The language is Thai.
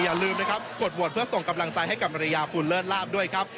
อย่าลืมนะครับกดโหวตเพื่อส่งกำลังใจให้กับมาริยาภูลเลิศลาบด้วยครับ